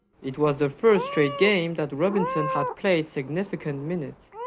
It was the third straight game that Robinson had played significant minutes.